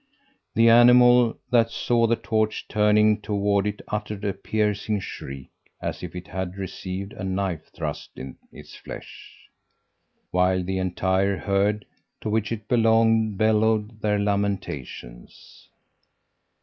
The animal that saw the torch turning toward it uttered a piercing shriek, as if it had received a knife thrust in its flesh, while the entire herd to which it belonged bellowed their lamentations.